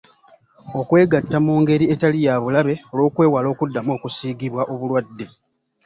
Okwegatta mu ngeri etali ya bulabe olw’okwewala okuddamu okusiigibwa obulwadde.